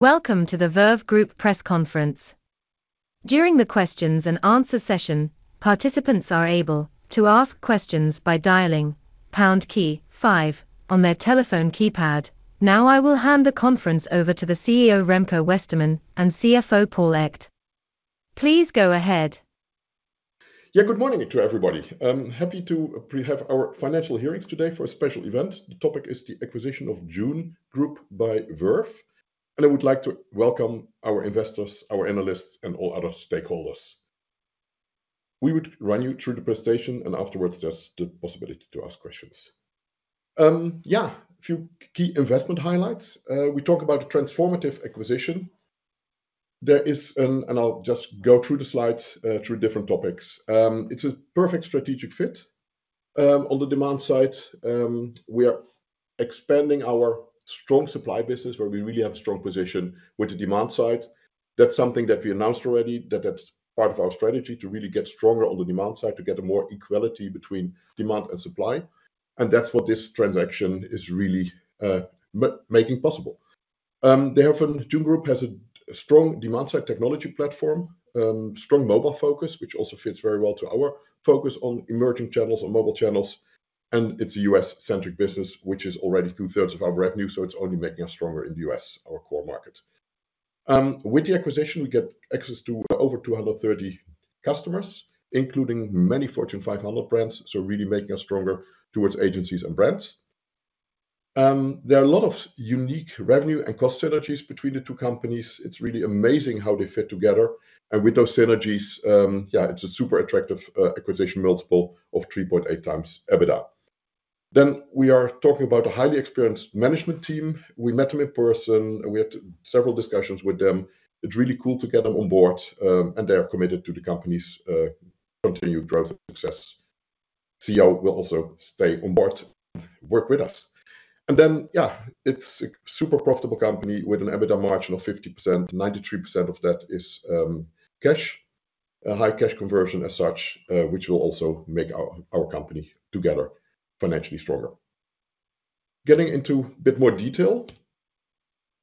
Welcome to the Verve Group press conference. During the Q&A session, participants are able to ask questions by dialing five on their telephone keypad. Now I will hand the conference over to the CEO Remco Westermann and CFO Paul Echt. Please go ahead. Yeah, good morning to everybody. Happy to have our financial hearings today for a special event. The topic is the acquisition of Jun Group by Verve Group, and I would like to welcome our investors, our analysts, and all other stakeholders. We would run you through the presentation, and afterwards there's the possibility to ask questions. Yeah, a few key investment highlights. We talk about a transformative acquisition. There is an, and I'll just go through the slides through different topics. It's a perfect strategic fit. On the demand side, we are expanding our strong supply business, where we really have a strong position with the demand side. That's something that we announced already, that that's part of our strategy to really get stronger on the demand side, to get a more equality between demand and supply. And that's what this transaction is really making possible. They have a Jun Group has a strong demand-side technology platform, strong mobile focus, which also fits very well to our focus on emerging channels, on mobile channels. It's a U.S.-centric business, which is already two-thirds of our revenue, so it's only making us stronger in the U.S., our core market. With the acquisition, we get access to over 230 customers, including many Fortune 500 brands, so really making us stronger towards agencies and brands. There are a lot of unique revenue and cost synergies between the two companies. It's really amazing how they fit together. With those synergies, yeah, it's a super attractive acquisition multiple of 3.8x EBITDA. We are talking about a highly experienced management team. We met them in person. We had several discussions with them. It's really cool to get them on board, and they are committed to the company's continued growth and success. CEO will also stay on board and work with us. And then, yeah, it's a super profitable company with an EBITDA margin of 50%. 93% of that is cash, a high cash conversion as such, which will also make our company together financially stronger. Getting into a bit more detail.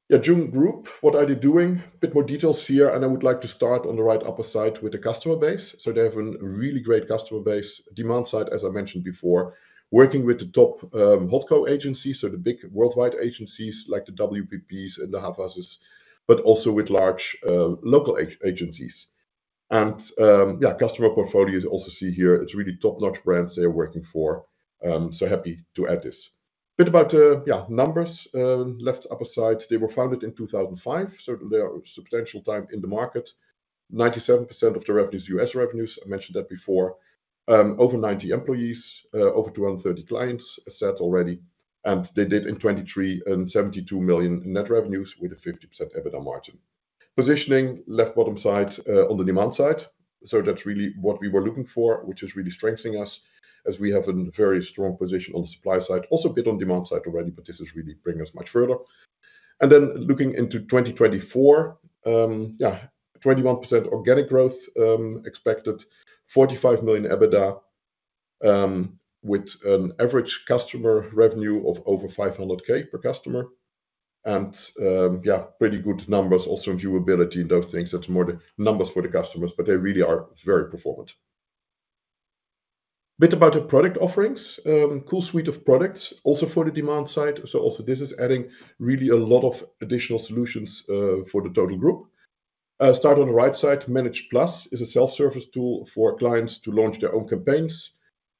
Yeah, Jun Group, what are they doing? A bit more details here, and I would like to start on the right upper side with the customer base. So they have a really great customer base. Demand side, as I mentioned before, working with the top HoldCo agencies, so the big worldwide agencies like the WPPs and the Havas, but also with large local agencies. And, yeah, customer portfolio you also see here. It's really top-notch brands they are working for. So happy to add this. A bit about, yeah, numbers, left upper side. They were founded in 2005, so they are a substantial time in the market. 97% of the revenue is U.S. revenues. I mentioned that before. Over 90 employees, over 230 clients, as said already. And they did in 2023, $72 million net revenues with a 50% EBITDA margin. Positioning, left bottom side, on the demand side. So that's really what we were looking for, which is really strengthening us as we have a very strong position on the supply side. Also a bit on demand side already, but this is really bringing us much further. And then looking into 2024, yeah, 21% organic growth, expected, $45 million EBITDA, with an average customer revenue of over $500K per customer. And, yeah, pretty good numbers also in viewability and those things. That's more the numbers for the customers, but they really are very performant. A bit about the product offerings. A cool suite of products also for the demand-side. So also this is adding really a lot of additional solutions for the total group. Start on the right side. ManagePlus is a self-service tool for clients to launch their own campaigns,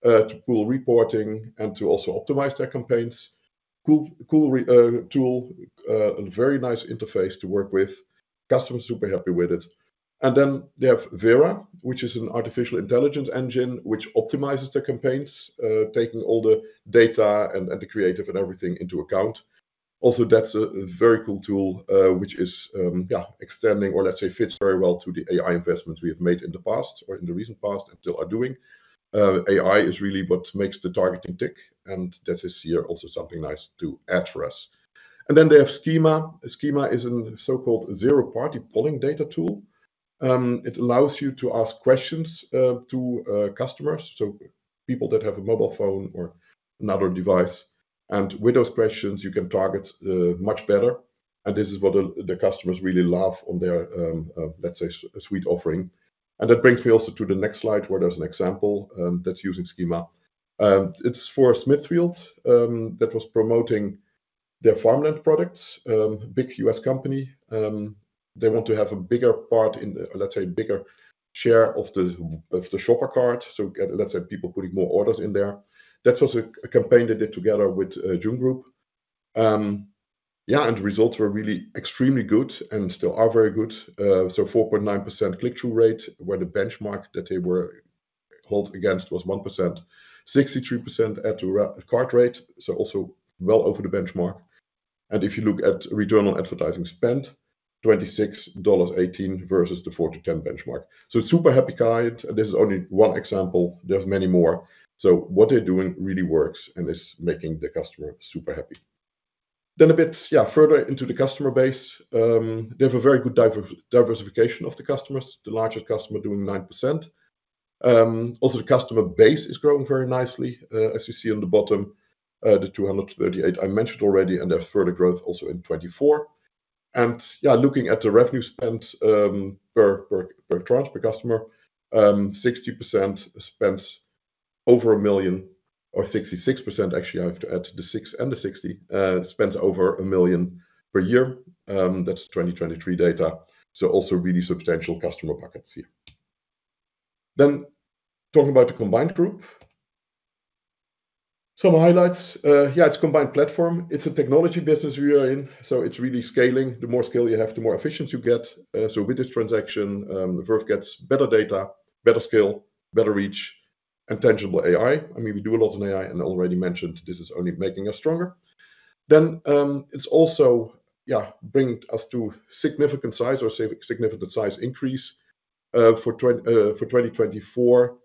to pull reporting and to also optimize their campaigns. Cool, cool, tool, a very nice interface to work with. Customers are super happy with it. And then they have Vera, which is an artificial intelligence engine which optimizes the campaigns, taking all the data and the creative and everything into account. Also, that's a very cool tool, which is extending or let's say fits very well to the AI investments we have made in the past or in the recent past and still are doing. AI is really what makes the targeting tick, and that is here also something nice to add for us. Then they have Schema. Schema is a so-called zero-party polling data tool. It allows you to ask questions to customers, so people that have a mobile phone or another device. With those questions, you can target much better. This is what the customers really love on their, let's say, self-service offering. That brings me also to the next slide where there's an example that's using Schema. It's for Smithfield that was promoting their Farmland products, big U.S. company. They want to have a bigger part in the, let's say, bigger share of the shopper cart, so get, let's say, people putting more orders in there. That was a campaign they did together with Jun Group. Yeah, and the results were really extremely good and still are very good. So 4.9% click-through rate, where the benchmark that they were hold against was 1%. 63% add to cart rate, so also well over the benchmark. And if you look at return on advertising spend, $26.18 versus the $4-$10 benchmark. So super happy client. And this is only one example. There's many more. So what they're doing really works and is making the customer super happy. Then a bit, yeah, further into the customer base. They have a very good diversification of the customers. The largest customer doing 9%. Also the customer base is growing very nicely, as you see on the bottom. The 238 I mentioned already, and there's further growth also in 2024. Yeah, looking at the revenue spend per tranche per customer, 60% spends over 1 million, or 66% actually, I have to add the 6 and the 60, spends over 1 million per year. That's 2023 data. Also really substantial customer pockets here. Talking about the combined group. Some highlights. Yeah, it's a combined platform. It's a technology business we are in, so it's really scaling. The more scale you have, the more efficiency you get. So with this transaction, Verve gets better data, better scale, better reach, and tangible AI. I mean, we do a lot in AI, and I already mentioned this is only making us stronger. Yeah, bringing us to significant size or significant size increase. For 2024,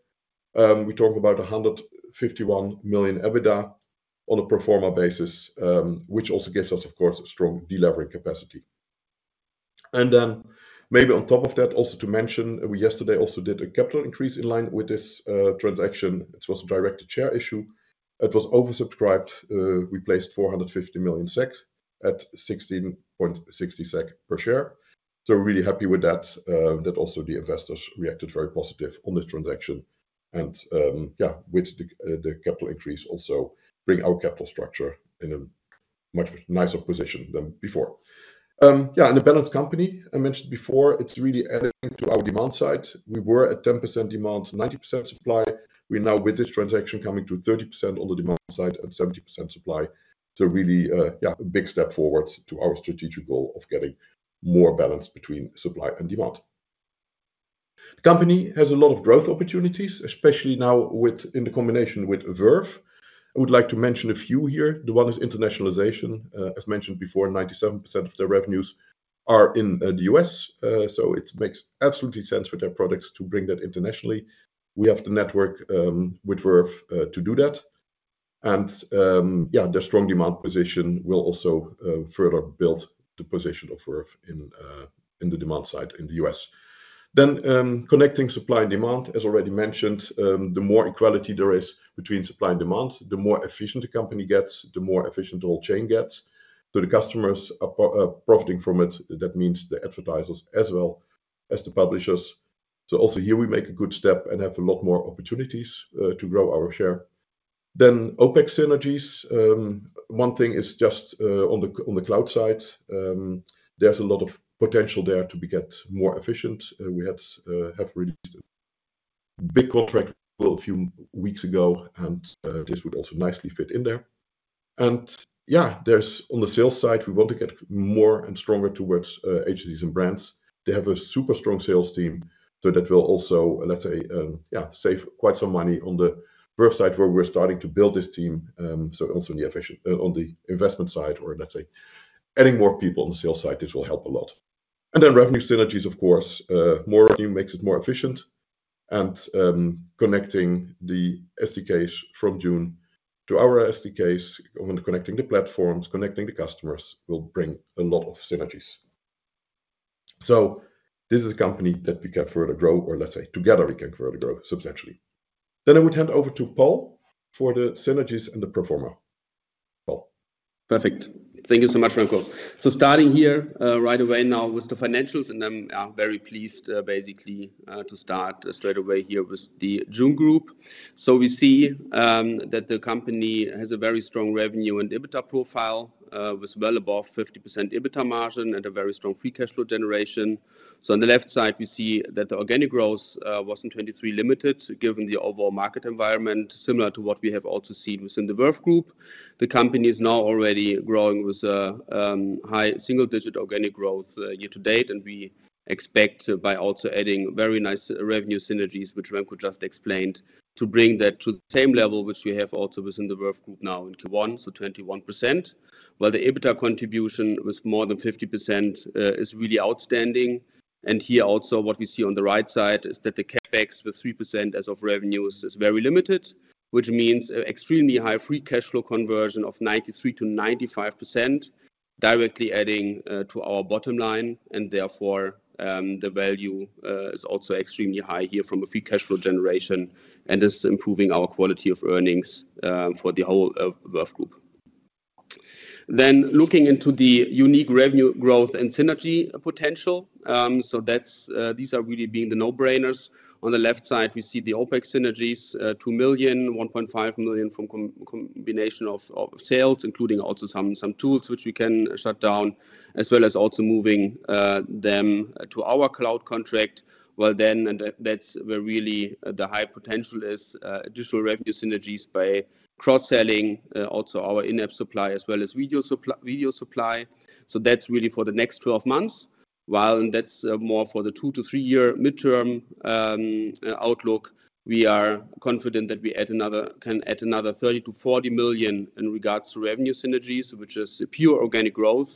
we talk about 151 million EBITDA on a pro forma basis, which also gives us, of course, a strong delivery capacity. And then, maybe on top of that, also to mention, we yesterday also did a capital increase in line with this transaction. It was a directed share issue. It was oversubscribed. We placed 450 million at 16.60 SEK per share. So we're really happy with that. That also, the investors reacted very positive on this transaction. And, yeah, with the capital increase also bring our capital structure in a much nicer position than before. Yeah, and a balanced company I mentioned before. It's really adding to our demand side. We were at 10% demand, 90% supply. We're now with this transaction coming to 30% on the demand side and 70% supply. So really, yeah, a big step forward to our strategic goal of getting more balance between supply and demand. The company has a lot of growth opportunities, especially now with, in the combination with Verve. I would like to mention a few here. The one is internationalization. As mentioned before, 97% of their revenues are in the U.S. So it makes absolute sense for their products to bring that internationally. We have the network, with Verve, to do that. And, yeah, their strong demand position will also further build the position of Verve in the demand-side in the U.S. Then, connecting supply and demand, as already mentioned, the more equality there is between supply and demand, the more efficient the company gets, the more efficient the whole chain gets. So the customers are profiting from it. That means the advertisers as well as the publishers. So also here we make a good step and have a lot more opportunities to grow our share. Then OpEx synergies. One thing is just, on the, on the cloud side, there's a lot of potential there to get more efficient. We have released a big contract a few weeks ago, and this would also nicely fit in there. Yeah, there's on the sales side, we want to get more and stronger towards agencies and brands. They have a super strong sales team, so that will also, let's say, yeah, save quite some money on the Verve side where we're starting to build this team. So also in the efficient, on the investment side, or let's say adding more people on the sales side, this will help a lot. Then revenue synergies, of course, more revenue makes it more efficient. And connecting the SDKs from Jun to our SDKs, connecting the platforms, connecting the customers will bring a lot of synergies. This is a company that we can further grow, or let's say together we can further grow substantially. I would hand over to Paul for the synergies and the performance. Paul. Perfect. Thank you so much, Remco. So starting here, right away now with the financials, and I'm, yeah, very pleased, basically, to start straight away here with the Jun Group. So we see, that the company has a very strong revenue and EBITDA profile, with well above 50% EBITDA margin and a very strong free cash flow generation. So on the left side, we see that the organic growth, was in 2023 limited given the overall market environment, similar to what we have also seen within the Verve Group. The company is now already growing with a, high single-digit organic growth, year to date, and we expect by also adding very nice revenue synergies, which Remco just explained, to bring that to the same level which we have also within the Verve Group now in 2021, so 21%. While the EBITDA contribution with more than 50%, is really outstanding. And here also what we see on the right side is that the CapEx with 3% as of revenues is very limited, which means an extremely high free cash flow conversion of 93%-95%, directly adding to our bottom line. And therefore, the value is also extremely high here from a free cash flow generation and is improving our quality of earnings for the whole Verve Group. Then looking into the unique revenue growth and synergy potential, so that's these are really being the no-brainers. On the left side, we see the OPEX synergies, 2 million, 1.5 million from combination of sales, including also some tools which we can shut down, as well as moving them to our cloud contract. Well then, and that's where really the high potential is, additional revenue synergies by cross-selling also our in-app supply as well as video supply. So that's really for the next 12 months. While that's more for the two to three-year midterm outlook, we are confident that we add another, can add another 30-40 million in regards to revenue synergies, which is pure organic growth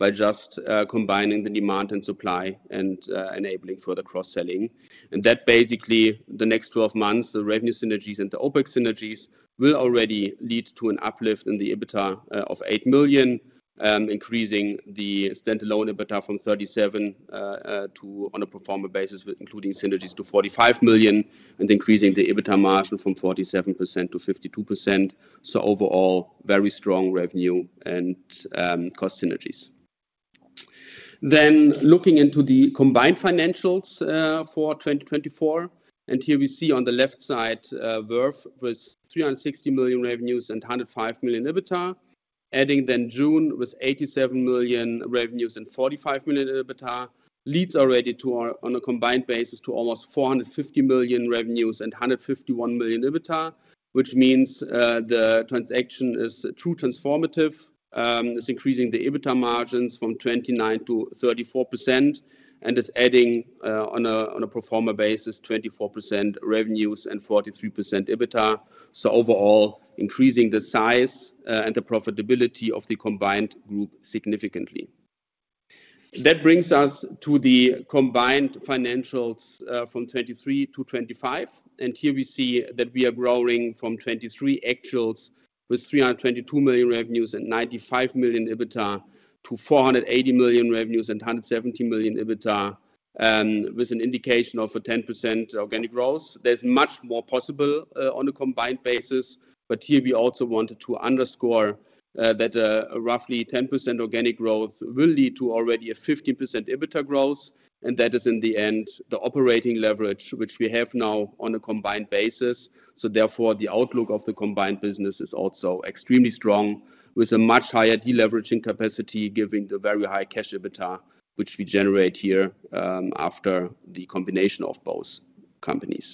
by just combining the demand and supply and enabling further cross-selling. And that basically, the next 12 months, the revenue synergies and the OpEx synergies will already lead to an uplift in the EBITDA of 8 million, increasing the standalone EBITDA from 37 million to on a pro forma basis, including synergies to 45 million and increasing the EBITDA margin from 47%-52%. So overall, very strong revenue and cost synergies. Then looking into the combined financials for 2024, and here we see on the left side, Verve with 360 million revenues and 105 million EBITDA, adding then Jun Group with 87 million revenues and 45 million EBITDA, leads already to our, on a combined basis, to almost 450 million revenues and 151 million EBITDA, which means the transaction is truly transformative, is increasing the EBITDA margins from 29%-34%, and it's adding, on a pro forma basis, 24% revenues and 43% EBITDA. So overall, increasing the size and the profitability of the combined group significantly. That brings us to the combined financials from 2023 to 2025. And here we see that we are growing from 2023 actuals with 322 million revenues and 95 million EBITDA to 480 million revenues and 170 million EBITDA, with an indication of a 10% organic growth. There's much more possible, on a combined basis, but here we also wanted to underscore, that, roughly 10% organic growth will lead to already a 15% EBITDA growth, and that is in the end the operating leverage, which we have now on a combined basis. So therefore, the outlook of the combined business is also extremely strong with a much higher deleveraging capacity, giving the very high cash EBITDA, which we generate here, after the combination of both companies.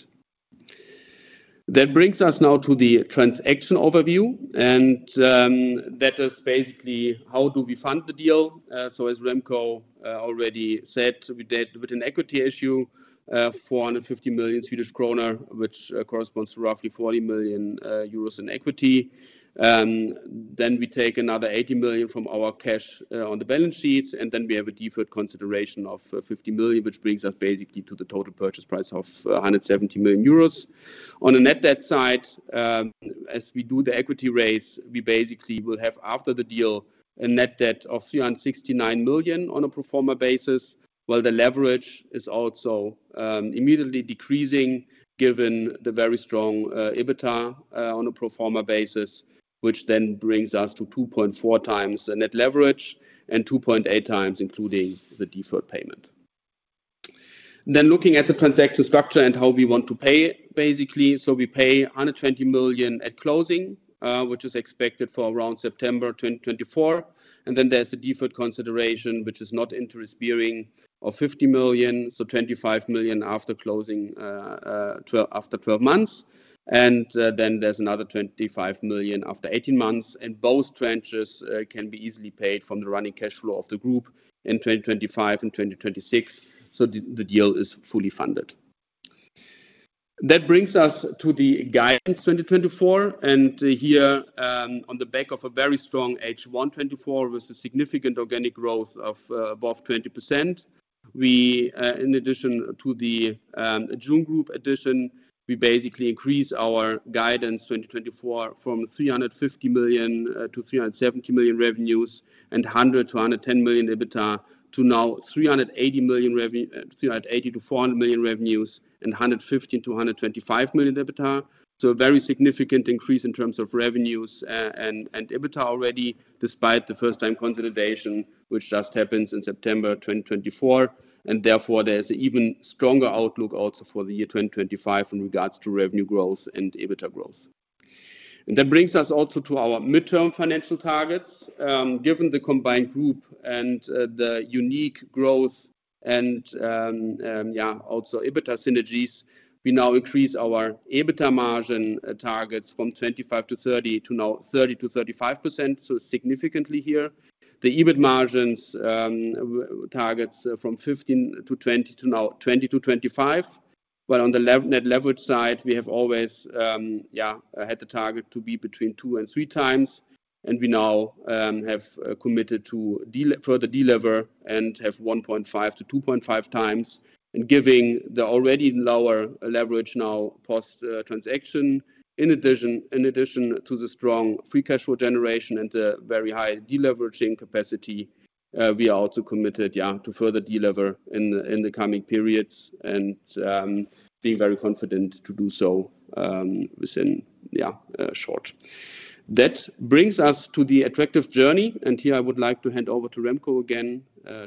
That brings us now to the transaction overview, and, that is basically how do we fund the deal. So as Remco, already said, we did with an equity issue, 450 million Swedish kronor, which, corresponds to roughly 40 million euros in equity. Then we take another 80 million from our cash on the balance sheets, and then we have a deferred consideration of 50 million, which brings us basically to the total purchase price of 170 million euros. On a net debt side, as we do the equity raise, we basically will have after the deal a net debt of 369 million on a pro forma basis, while the leverage is also immediately decreasing given the very strong EBITDA on a pro forma basis, which then brings us to 2.4x net leverage and 2.8x including the deferred payment. Then looking at the transaction structure and how we want to pay, basically, so we pay 120 million at closing, which is expected for around September 2024. And then there's the deferred consideration, which is not interest-bearing, of 50 million, so 25 million after closing, after 12 months. Then there's another 25 million after 18 months, and both tranches can be easily paid from the running cash flow of the group in 2025 and 2026, so the deal is fully funded. That brings us to the guidance 2024, and here, on the back of a very strong H124 with a significant organic growth of above 20%, we, in addition to the Jun Group addition, we basically increase our guidance 2024 from 350 million-370 million revenues and 100 million-110 million EBITDA to now 380 million revenue, 380 million-400 million revenues and 115 million-125 million EBITDA. A very significant increase in terms of revenues and EBITDA already, despite the first-time consolidation, which just happens in September 2024. Therefore, there's an even stronger outlook also for the year 2025 in regards to revenue growth and EBITDA growth. That brings us also to our midterm financial targets. Given the combined group and the unique growth and yeah also EBITDA synergies, we now increase our EBITDA margin targets from 25%-30% to now 30%-35%, so significantly here. The EBIT margin targets from 15%-20% to now 20%-25%, while on the net leverage side, we have always yeah had the target to be between two and three times, and we now have committed to further delever and have 1.5-2.5x, and given the already lower leverage now post-transaction. In addition, in addition to the strong free cash flow generation and the very high deleveraging capacity, we are also committed yeah to further delever in in the coming periods and being very confident to do so within yeah short. That brings us to the attractive journey, and here I would like to hand over to Remco again,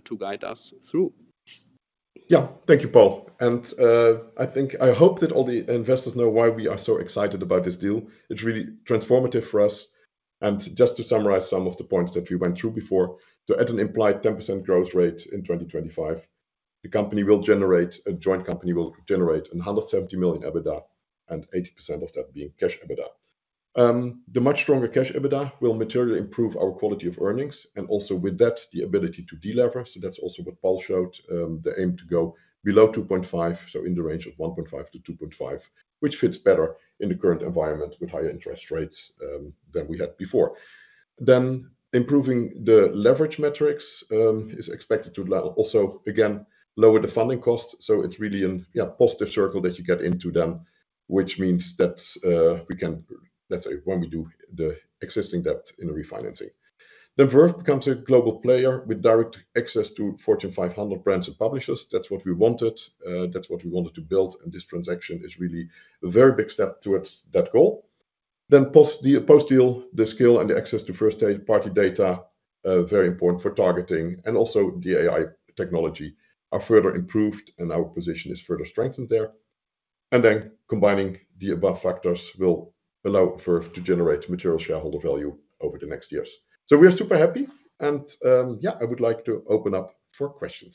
to guide us through. Yeah, thank you, Paul. And, I think, I hope that all the investors know why we are so excited about this deal. It's really transformative for us. And just to summarize some of the points that we went through before, to add an implied 10% growth rate in 2025, the company will generate a joint company will generate 170 million EBITDA and 80% of that being cash EBITDA. The much stronger cash EBITDA will materially improve our quality of earnings and also with that the ability to delever. So that's also what Paul showed, the aim to go below 2.5, so in the range of 1.5-2.5, which fits better in the current environment with higher interest rates, than we had before. Then improving the leverage metrics is expected to also again lower the funding cost. So it's really an, yeah, positive circle that you get into them, which means that, we can, let's say, when we do the existing debt in a refinancing. Then Verve becomes a global player with direct access to Fortune 500 brands and publishers. That's what we wanted. That's what we wanted to build, and this transaction is really a very big step towards that goal. Then post-deal, post-deal, the skill and the access to first-party data, very important for targeting and also the AI technology are further improved, and our position is further strengthened there. And then combining the above factors will allow Verve to generate material shareholder value over the next years. So we are super happy, and, yeah, I would like to open up for questions.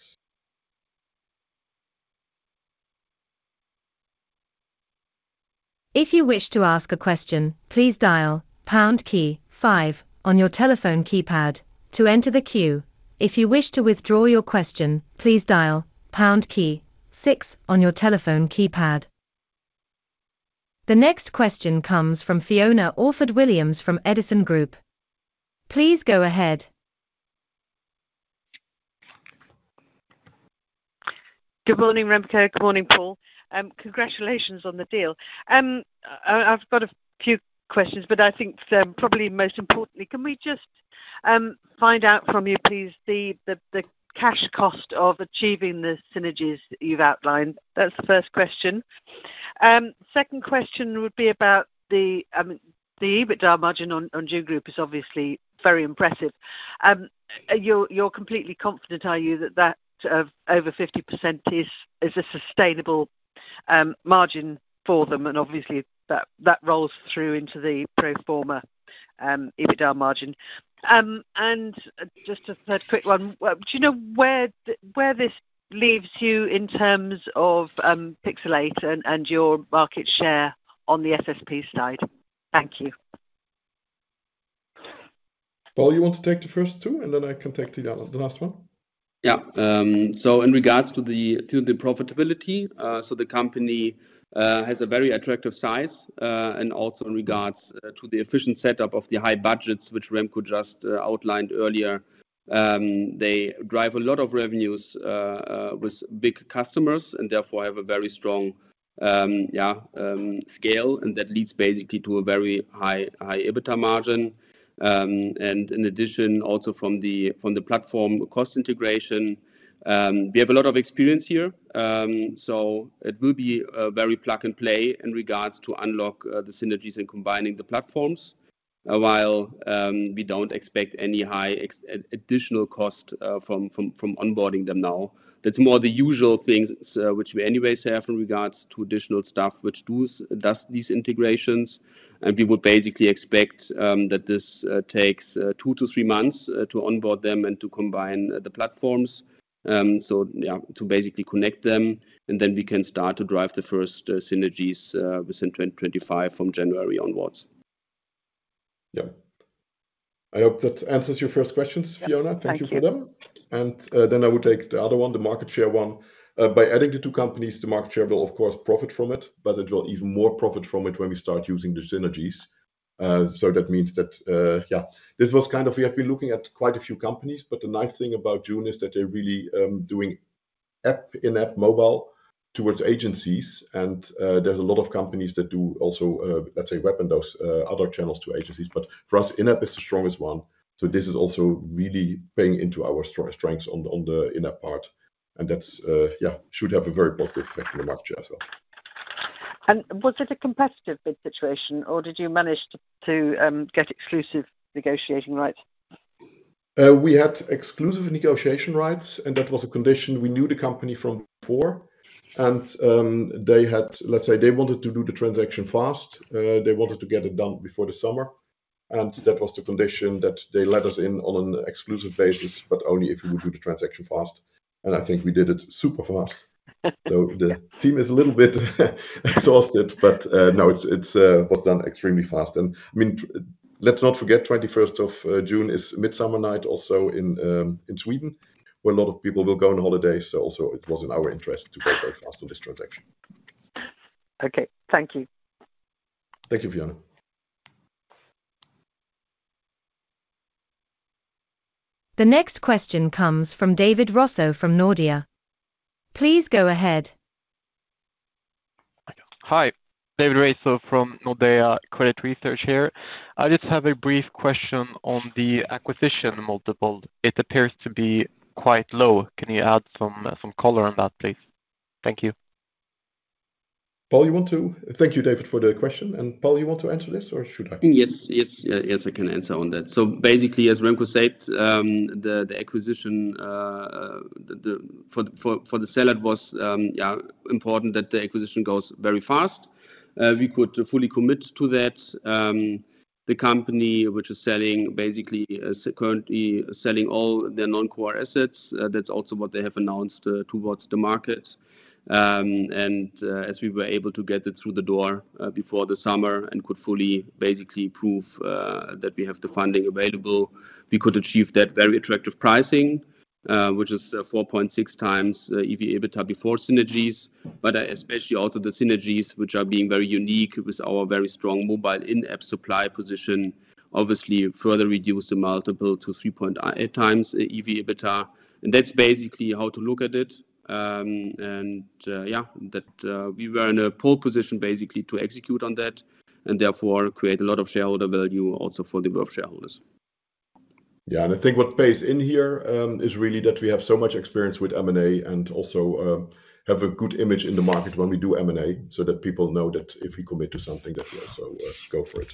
If you wish to ask a question, please dial pound key five on your telephone keypad to enter the queue. If you wish to withdraw your question, please dial pound key six on your telephone keypad. The next question comes from Fiona Orford-Williams from Edison Group. Please go ahead. Good morning, Remco. Good morning, Paul. Congratulations on the deal. I've got a few questions, but I think, probably most importantly, can we just find out from you, please, the cash cost of achieving the synergies that you've outlined? That's the first question. Second question would be about the EBITDA margin on Jun Group is obviously very impressive. You're completely confident, are you, that over 50% is a sustainable margin for them? And obviously that rolls through into the pro forma EBITDA margin. And just a third quick one, do you know where this leaves you in terms of Pixalate and your market share on the SSP side? Thank you. Paul, you want to take the first two, and then I can take the last one. Yeah, so in regards to the profitability, so the company has a very attractive size, and also in regards to the efficient setup of the high budgets, which Remco just outlined earlier, they drive a lot of revenues with big customers and therefore have a very strong, yeah, scale, and that leads basically to a very high EBITDA margin. And in addition, also from the platform cost integration, we have a lot of experience here. So it will be a very plug and play in regards to unlock the synergies and combining the platforms, while we don't expect any high ex-additional cost from onboarding them now. That's more the usual things, which we anyways have in regards to additional stuff which does these integrations. We would basically expect that this takes 2-3 months to onboard them and to combine the platforms. So yeah, to basically connect them, and then we can start to drive the first synergies within 2025 from January onwards. Yeah, I hope that answers your first questions, Fiona. Thank you for them. And, then I would take the other one, the market share one. By adding the two companies, the market share will, of course, profit from it, but it will even more profit from it when we start using the synergies. So that means that, yeah, this was kind of, we have been looking at quite a few companies, but the nice thing about Jun is that they're really, doing in-app mobile towards agencies. And, there's a lot of companies that do also, let's say, web and those, other channels to agencies. But for us, in-app is the strongest one. So this is also really paying into our strong strengths on the, on the in-app part. And that's, yeah, should have a very positive effect on the market share as well. Was it a competitive bid situation, or did you manage to get exclusive negotiating rights? We had exclusive negotiation rights, and that was a condition we knew the company from before. They had, let's say, they wanted to do the transaction fast. They wanted to get it done before the summer. That was the condition that they let us in on an exclusive basis, but only if we would do the transaction fast. I think we did it super fast. So the team is a little bit exhausted, but no, it was done extremely fast. I mean, let's not forget 21st of June is Midsummer Night also in Sweden, where a lot of people will go on holidays. So also it was in our interest to go very fast on this transaction. Okay, thank you. Thank you, Fiona. The next question comes from David Rosso from Nordea. Please go ahead. Hi, David Rosso from Nordea Credit Research here. I just have a brief question on the acquisition multiple. It appears to be quite low. Can you add some, some color on that, please? Thank you. Thank you, David, for the question. And Paul, you want to answer this or should I? Yes, yes, yes, I can answer on that. So basically, as Remco said, the acquisition for the seller was, yeah, important that the acquisition goes very fast. We could fully commit to that. The company, which is basically currently selling all their non-core assets. That's also what they have announced towards the market. And as we were able to get it through the door before the summer and could fully basically prove that we have the funding available, we could achieve that very attractive pricing, which is 4.6x EV/EBITDA before synergies. But I especially also the synergies, which are being very unique with our very strong mobile in-app supply position, obviously further reduce the multiple to 3.8x EV/EBITDA. And that's basically how to look at it. Yeah, that we were in a poor position basically to execute on that and therefore create a lot of shareholder value also for the Verve shareholders. Yeah, and I think what's based in here is really that we have so much experience with M&A and also have a good image in the market when we do M&A so that people know that if we commit to something, that we also go for it.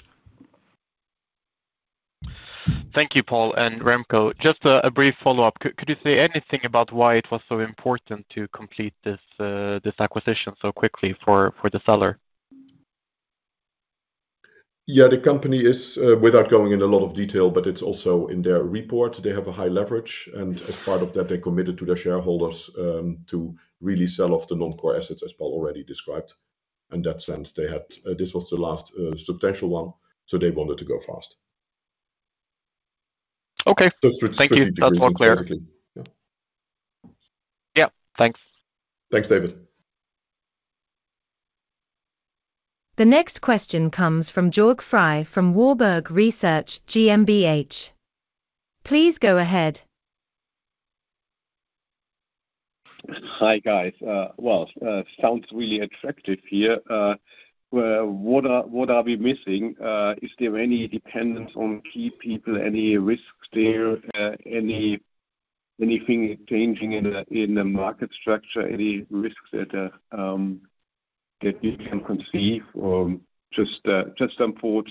Thank you, Paul. And Remco, just a brief follow-up. Could you say anything about why it was so important to complete this acquisition so quickly for the seller? Yeah, the company is, without going into a lot of detail, but it's also in their report. They have a high leverage, and as part of that, they committed to their shareholders to really sell off the non-core assets as Paul already described. In that sense, this was the last substantial one, so they wanted to go fast. Okay. Thank you. That's all clear. Yeah, Thanks. Thanks, David. The next question comes from Jörg Frey from Warburg Research GmbH. Please go ahead. Hi guys. Well, sounds really attractive here. What are we missing? Is there any dependence on key people, any risks there, anything changing in the market structure, any risks that you can conceive, or just some thoughts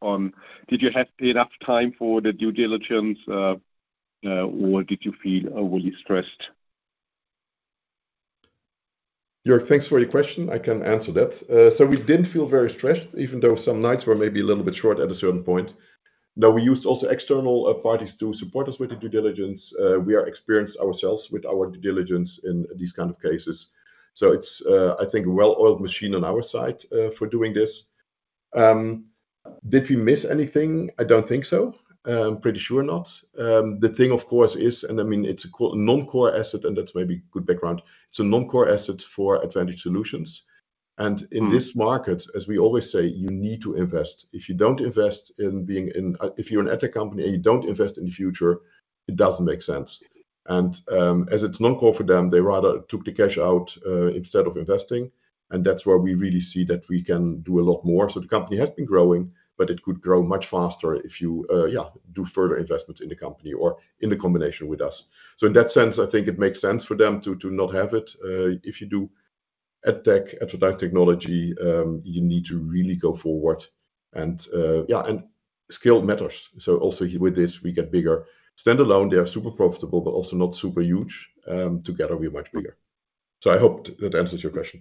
on, did you have enough time for the due diligence, or did you feel overly stressed? Jörg, thanks for your question. I can answer that. So we didn't feel very stressed, even though some nights were maybe a little bit short at a certain point. Now we used also external parties to support us with the due diligence. We are experienced ourselves with our due diligence in these kind of cases. So it's, I think a well-oiled machine on our side, for doing this. Did we miss anything? I don't think so. Pretty sure not. The thing of course is, and I mean it's a core non-core asset, and that's maybe good background. It's a non-core asset for Advantage Solutions. And in this market, as we always say, you need to invest. If you don't invest in being in, if you're an AdTech company and you don't invest in the future, it doesn't make sense. As it's non-core for them, they rather took the cash out, instead of investing. That's where we really see that we can do a lot more. The company has been growing, but it could grow much faster if you, yeah, do further investments in the company or in the combination with us. So in that sense, I think it makes sense for them to, to not have it. If you do ad tech, advertising technology, you need to really go forward and, yeah, and scale matters. So also with this, we get bigger. Standalone, they are super profitable, but also not super huge. Together we are much bigger. So I hope that answers your question.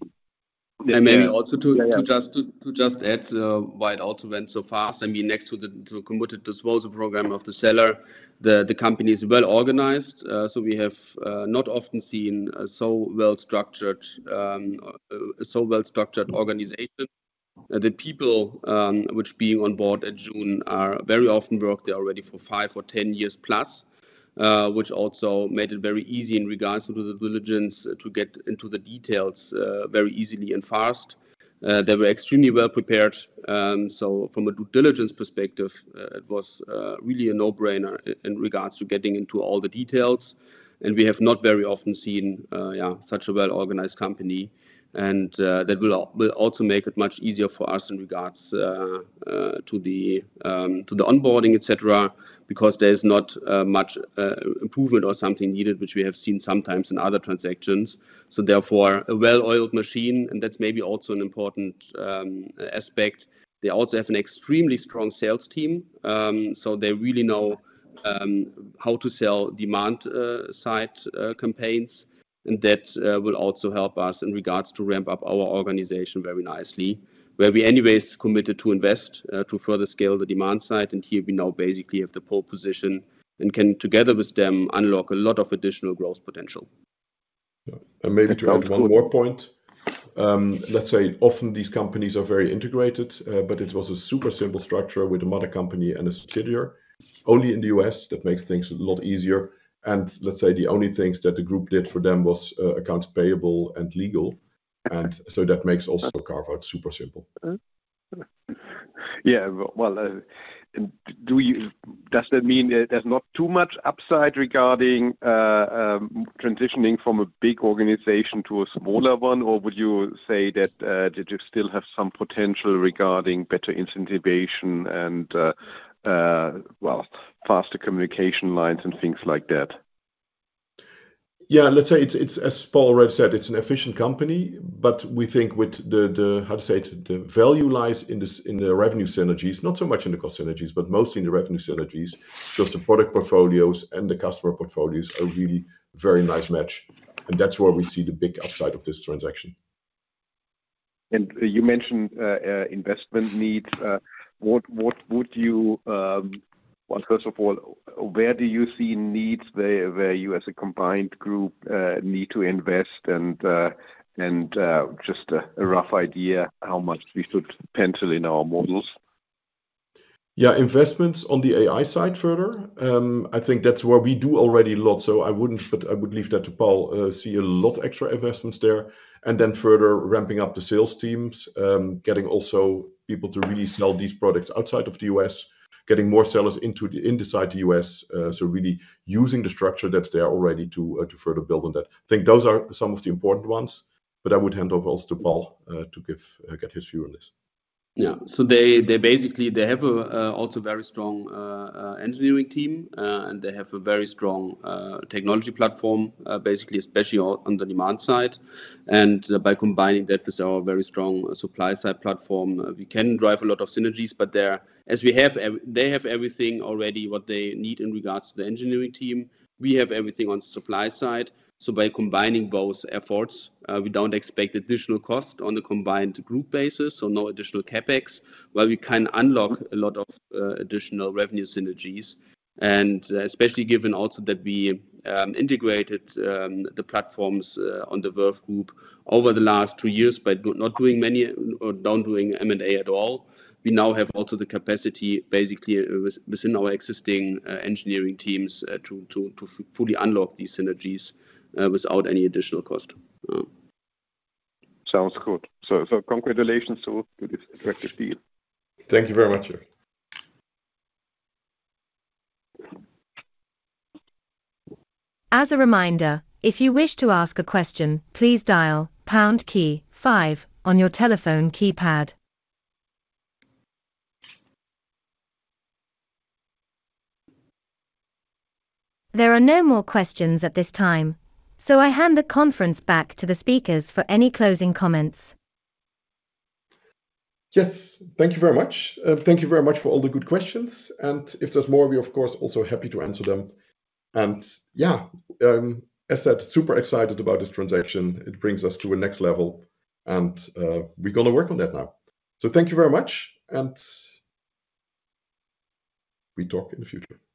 And maybe also to just add why it also went so fast. I mean, next to the committed disposal program of the seller, the company is well organized. So we have not often seen a so well structured organization. The people, which being on board at Jun are very often worked. They are ready for +5 or +10 years, which also made it very easy in regards to the due diligence to get into the details, very easily and fast. They were extremely well prepared. So from a due diligence perspective, it was really a no-brainer in regards to getting into all the details. And we have not very often seen, yeah, such a well-organized company. And that will also make it much easier for us in regards to the onboarding, et cetera, because there's not much improvement or something needed, which we have seen sometimes in other transactions. So therefore, a well-oiled machine, and that's maybe also an important aspect. They also have an extremely strong sales team. So they really know how to sell demand-side campaigns. And that will also help us in regards to ramp up our organization very nicely, where we anyways committed to invest to further scale the demand side. And here we now basically have the pole position and can together with them unlock a lot of additional growth potential. Yeah, and maybe to add one more point, let's say often these companies are very integrated, but it was a super simple structure with a mother company and a subsidiary only in the U.S. That makes things a lot easier. And let's say the only things that the group did for them was accounts payable and legal. And so that makes also carve out super simple. Yeah, well, do you, does that mean there's not too much upside regarding transitioning from a big organization to a smaller one? Or would you say that, did you still have some potential regarding better incentivation and, well, faster communication lines and things like that? Yeah, let's say it's as Paul Echt said, it's an efficient company, but we think with the, how to say it, the value lies in the revenue synergies, not so much in the cost synergies, but mostly in the revenue synergies. So the product portfolios and the customer portfolios are really very nice match. And that's where we see the big upside of this transaction. You mentioned investment needs. What would you, well, first of all, where do you see needs where you as a combined group need to invest? And just a rough idea how much we should pencil in our models? Yeah, investments on the AI side further. I think that's where we do already a lot. So I wouldn't, but I would leave that to Paul, see a lot extra investments there. And then further ramping up the sales teams, getting also people to really sell these products outside of the U.S., getting more sellers into the, inside the U.S., so really using the structure that's there already to, to further build on that. I think those are some of the important ones, but I would hand over also to Paul, to give, get his view on this. Yeah, so they basically have also a very strong engineering team, and they have a very strong technology platform, basically especially on the demand side. And by combining that with our very strong supply side platform, we can drive a lot of synergies, but there as we have, they have everything already what they need in regards to the engineering team. We have everything on the supply side. So by combining both efforts, we don't expect additional cost on the combined group basis. So no additional CapEx, where we can unlock a lot of additional revenue synergies. And especially given also that we integrated the platforms on the Verve Group over the last two years by not doing many or don't doing M&A at all. We now have also the capacity basically within our existing engineering teams to fully unlock these synergies, without any additional cost. Sounds good. So, so congratulations to this attractive deal. Thank you very much, Jörg. As a reminder, if you wish to ask a question, please dial pound key five on your telephone keypad. There are no more questions at this time, so I hand the conference back to the speakers for any closing comments. Yes, thank you very much. Thank you very much for all the good questions. And if there's more, we're of course also happy to answer them. And yeah, as I said, super excited about this transaction. It brings us to a next level. And, we're gonna work on that now. So thank you very much. And we talk in the future.